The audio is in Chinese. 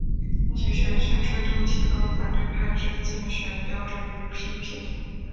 集选区制度提高了反对派之竞选标准予以批评。